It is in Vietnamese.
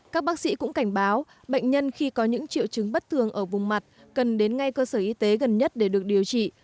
các bác sĩ cũng cảnh báo bệnh nhân khi có những triệu chứng bất thường ở vùng mặt cần đến ngay cơ sở y tế gần nhất để được điều trị